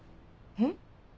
えっ？